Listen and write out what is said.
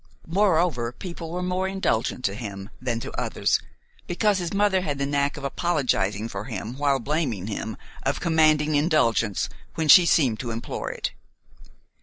Moreover, people were more indulgent to him than to others because his mother had the knack of apologizing for him while blaming him, of commanding indulgence when she seemed to implore it.